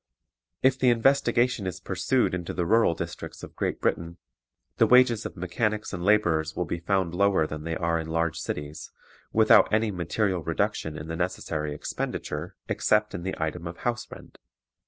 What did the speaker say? If the investigation is pursued into the rural districts of Great Britain, the wages of mechanics and laborers will be found lower than they are in large cities, without any material reduction in the necessary expenditure except in the item of house rent.